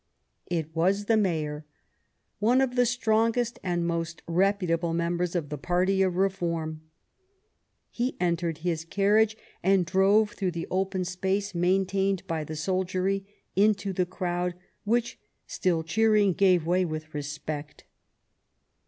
It was the Mayor, one of the strongest and most reputable members of the party of Reform. He entered his carriage and drove through the open space, maintained by the soldiery, into the crowd, which, still cheering, gave way with respect.